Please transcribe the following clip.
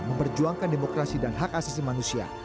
memperjuangkan demokrasi dan hak asasi manusia